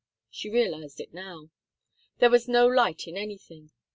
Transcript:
She realized it now. There was no light in anything.